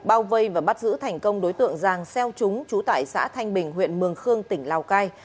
bao vây và bắt giữ thành công đối tượng giàng xeo trúng chú tại xã thanh bình huyện mường khương tỉnh lào cai